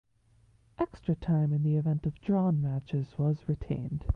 Extra time in the event of drawn matches was retained.